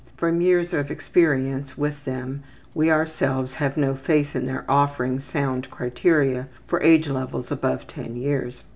From years of experience with them we ourselves have no faith in their offering sound criteria for age levels above 10 years.